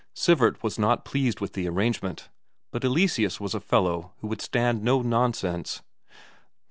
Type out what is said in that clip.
Sivert was not pleased with the arrangement, but Eleseus was a fellow who would stand no nonsense.